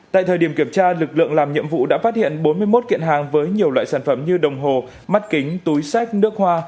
tại thời điểm kiểm tra lực lượng làm nhiệm vụ đã phát hiện bốn mươi một kiện hàng với nhiều loại sản phẩm như đồng hồ mắt kính túi sách nước hoa